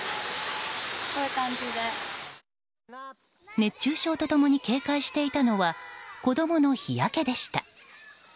熱中症と共に警戒していたのは子供の日焼けでした。